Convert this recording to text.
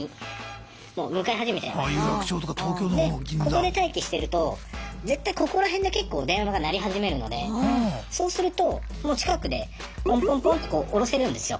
ここで待機してると絶対ここら辺で結構電話が鳴り始めるのでそうするともう近くでぽんぽんぽんって降ろせるんですよ。